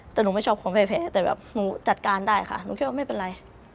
แต่หนูไม่ชอบความแพ้แต่แบบหนูจัดการได้ค่ะหนูคิดว่าไม่เป็นไร